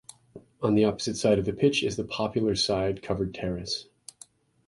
On the opposite side of the pitch is the Popular Side covered terrace.